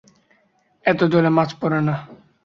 এত জলে মাছ পড়ে না।